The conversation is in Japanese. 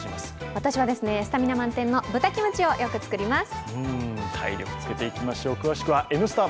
私はスタミナ満点の豚キムチをよく作ります。